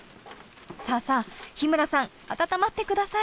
さあさあ日村さん温まって下さい。